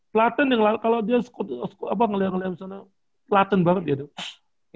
platin kalau dia ngeliat ngeliat di sana platin banget dia tuh